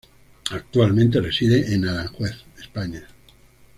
Actualmente reside en Aranjuez, España.